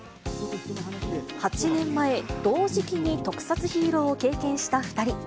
８年前、同時期に特撮ヒーローを経験した２人。